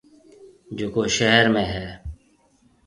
جڪو شهر ۾ هيَ۔